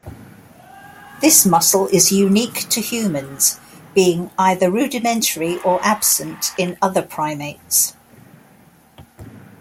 This muscle is unique to humans, being "either rudimentary or absent" in other primates.